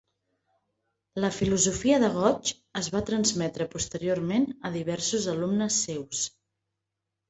La filosofia de Gotch es va transmetre posteriorment a diversos alumnes seus.